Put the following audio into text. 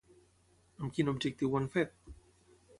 Amb quin objectiu ho han fet?